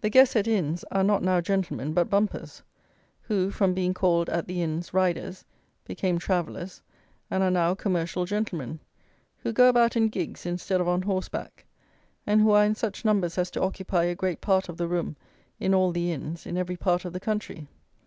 The guests at inns are not now gentlemen, but bumpers, who, from being called (at the inns) "riders," became "travellers," and are now "commercial gentlemen," who go about in gigs, instead of on horseback, and who are in such numbers as to occupy a great part of the room in all the inns, in every part of the country.